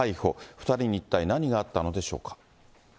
２人に一体何があったのでしょうか。